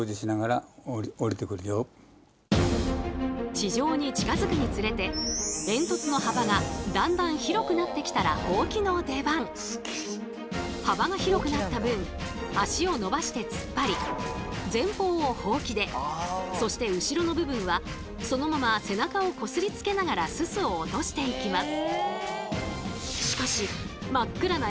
地上に近づくにつれて幅が広くなった分足を伸ばして突っ張り前方をホウキでそして後ろの部分はそのまま背中をこすりつけながらススを落としていきます。